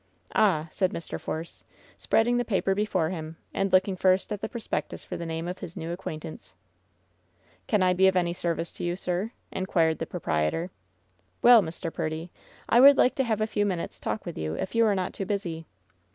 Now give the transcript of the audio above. "Ah I" said Mr. Force, spreading the paper before him, and looking first at the prospectus for the name of his new acquaintance. LOVE'S BITTEREST CUP 211 '^Can I be of any service to you, sir ?" inquired the proprietor. "Well, Mr. Purdy, I would like to have a few minutes talk with you, if you are not too busy."